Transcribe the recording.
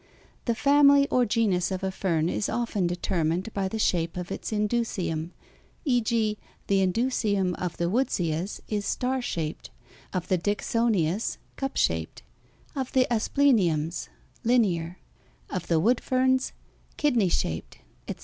The family or genus of a fern is often determined by the shape of its indusium; e.g., the indusium of the woodsias is star shaped; of the Dicksonias, cup shaped; of the aspleniums, linear; of the wood ferns, kidney shaped, etc.